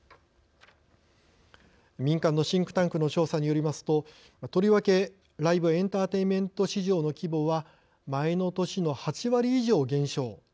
民間のシンクタンクの調査によりますととりわけライブ・エンターテインメント市場の規模は前の年の８割以上減少。